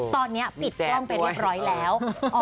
ตอนนี้ปิดกล้องไปเรียบร้อยแล้ว